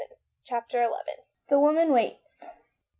CHAPTER XII. THE WOMAN WAITS.